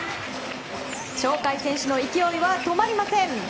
鳥海選手の勢いは止まりません。